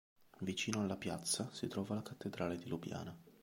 Vicino alla piazza si trova la cattedrale di Lubiana.